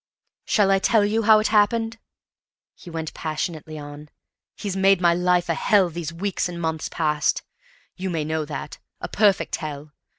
"Shall I tell you how it happened?" he went passionately on. "He's made my life a hell these weeks and months past. You may know that. A perfect hell!